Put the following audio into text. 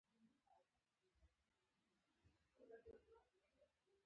دا ځواب ستاسې په خپل ذهن کې دی.